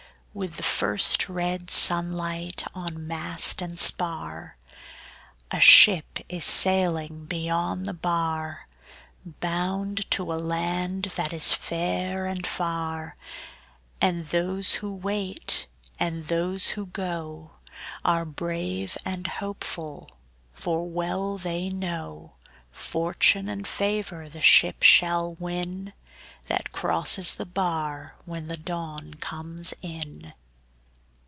With the first red sunlight on mast and spar A ship is sailing beyond the bar, Bound to a land that is fair and far; And those who wait and those who go Are brave and hopeful, for well they know Fortune and favor the ship shall win That crosses the bar when the dawn comes in.